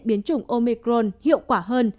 biến chủng omicron hiệu quả hơn